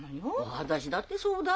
私だってそうだ。